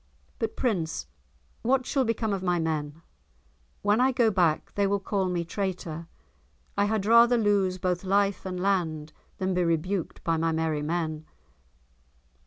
"But Prince, what shall become of my men? When I go back they will call me traitor. I had rather lose both life and land than be rebuked by my merry men."